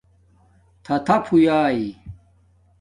تھاتھیپ ہوݵا